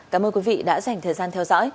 cảm ơn quý vị đã dành thời gian theo dõi